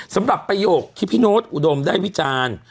สำหรับประโยคที่พี่โน้ตอุดมได้วิจารณ์